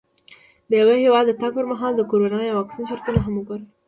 د یو هېواد د تګ پر مهال د کرونا یا واکسین شرطونه هم وګوره.